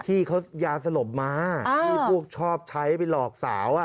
ที่เขายาสลบมาที่พวกชอบใช้ไปหลอกสาว